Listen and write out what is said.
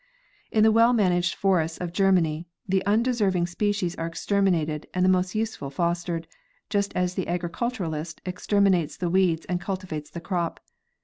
In the well managed forests of Germany the undeserving spe cies are exterminated and the most useful fostered, just as the agriculturist exterminates the weeds and cultivates the crop.